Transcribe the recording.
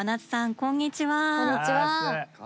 こんにちは。